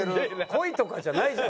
恋とかじゃないじゃん